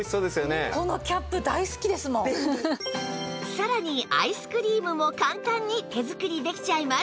さらにアイスクリームも簡単に手作りできちゃいます